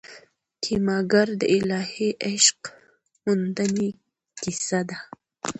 کیمیاګر د الهي عشق موندنې کیسه ده.